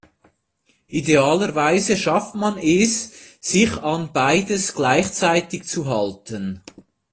Idealerweise schafft man es, sich an beides gleichzeitig zu halten.